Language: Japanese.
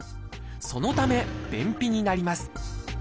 そのため便秘になります。